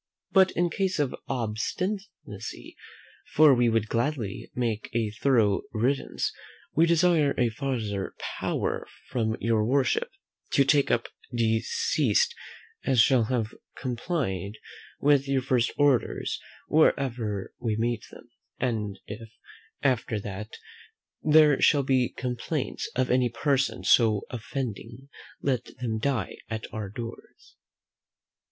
But in case of obstinacy, for we would gladly make a thorough riddance, we desire a farther power from your Worship, to take up such deceased as shall not have complied with your first orders wherever we meet them; and if, after that, there shall be complaints of any person so offending, let them lie at our doors.